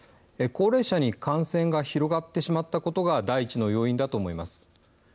高齢者に感染が広がってしまったことが第一の要因だと思います。